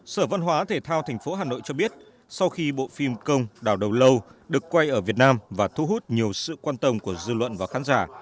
sở văn hóa thể thao tp hà nội cho biết sau khi bộ phim công đào đầu lâu được quay ở việt nam và thu hút nhiều sự quan tâm của dư luận và khán giả